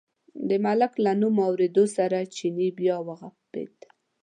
د ملک له نوم اورېدو سره چیني بیا و غپېد.